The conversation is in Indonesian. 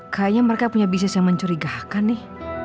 kayaknya mereka punya bisnis yang mencurigakan nih